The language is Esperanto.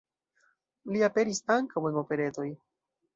Li aperis ankaŭ en operetoj.